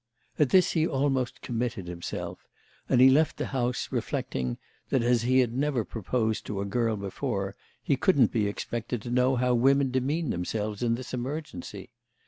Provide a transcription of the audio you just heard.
At this he almost committed himself; and he left the house reflecting that as he had never proposed to a girl before he couldn't be expected to know how women demean themselves in this emergency.